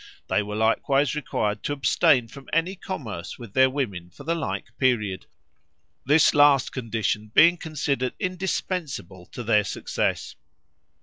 They were likewise required to abstain from any commerce with their women for the like period, this last condition being considered indispensable to their success.